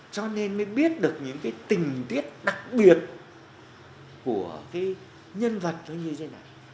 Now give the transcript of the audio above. cho nên mới biết được những cái tình tiết đặc biệt của cái nhân vật nó như thế này